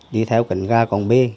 đi theo cận gà còng b